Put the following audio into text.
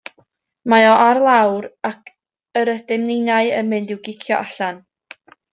Mae o ar lawr, ac yr ydym ninnau yn mynd i'w gicio allan.